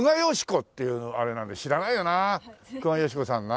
久我美子さんな。